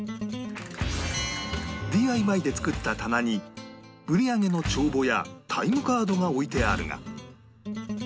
ＤＩＹ で作った棚に売り上げの帳簿やタイムカードが置いてあるが